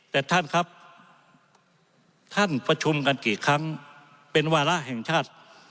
แต่ท่านครับท่านประชุมกันกี่ครั้งเป็นวาระแห่งชาติ